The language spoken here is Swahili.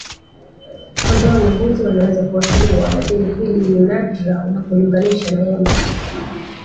Kondoo na mbuzi wanaweza kuathiriwa lakini hili ni nadra unapolinganisha na ngombe